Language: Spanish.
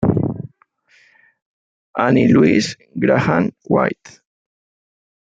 Annie Louise Grahame White.